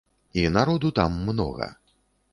І народу там многа.